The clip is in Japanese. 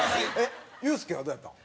ユースケはどうやったの？